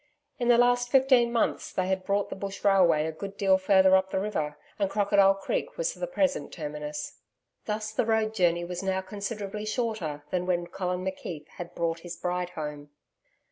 In the last fifteen months they had brought the bush railway a good deal further up the river, and Crocodile Creek was the present terminus. Thus the road journey was now considerable shorter than when Colin McKeith had brought his bride home.